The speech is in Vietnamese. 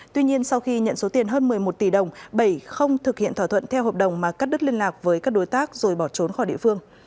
tuy nhiên sau khi nhận số tiền hơn một mươi một tỷ đồng bảy không thực hiện thỏa thuận theo hợp đồng mà cắt đứt liên lạc với các đối tác rồi bỏ trốn khỏi địa phương